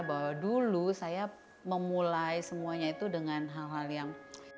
bahwa dulu saya memulai semuanya itu dengan hal hal yang